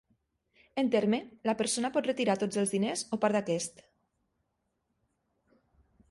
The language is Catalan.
En terme, la persona pot retirar tots els diners o part d'aquest.